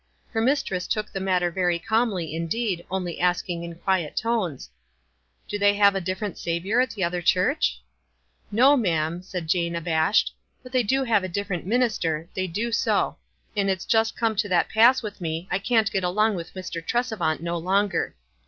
Her mis tress took the matter very calmly, indeed, only asking, in quiet tones, —" Do they have a different Saviour at the other church?" " No, ma'am," said Jane, ahashed. " But they do have a different minister, they do so ; and it's just come to that pass with me, I can't get along with Mr. Tresevant no longer.